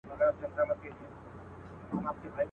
لا لرګي پر کوناټو پر اوږو خورمه.